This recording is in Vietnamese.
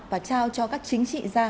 và trao cho các chính trị ra